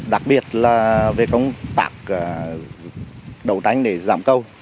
đặc biệt là về công tác đấu tranh để giảm câu